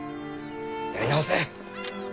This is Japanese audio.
やり直せ。